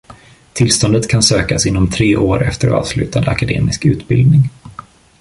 Tillståndet kan sökas inom tre år efter avslutad akademisk utbildning.